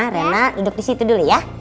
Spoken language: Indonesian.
rena duduk disitu dulu ya